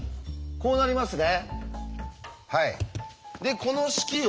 こうなりますね。